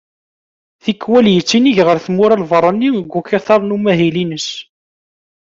Tikkwal yettinig ɣer tmura n lbarrani deg ukatar n umahil-ines.